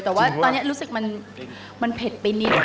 แต่ว่าตอนนี้รู้สึกมันเผ็ดไปนิด